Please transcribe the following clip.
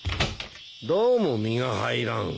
どうも身が入らん。